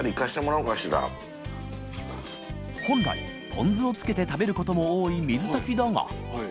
稻寨ポン酢をつけて食べることも多い水炊きだが磴茲曚